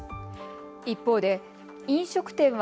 一方で飲食店は